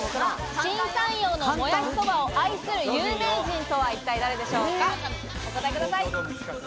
新三陽のもやしそばを愛する有名人とは一体誰でしょうか？